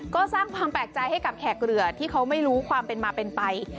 ก็สร้างความแปลกใจให้กับแขกเรือที่เขาไม่รู้ความเป็นมาเป็นไป